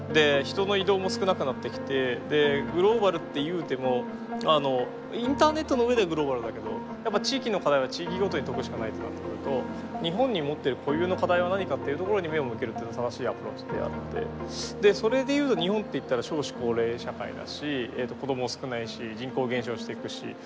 人の移動も少なくなってきてグローバルって言うてもインターネットの上ではグローバルだけど地域の課題は地域ごとに解くしかないってなってくると日本に持っている固有の課題は何かっていうところに目を向けるというのは正しいアプローチであってそれで言う日本っていったら少子高齢社会だし子ども少ないし人口減少していくし。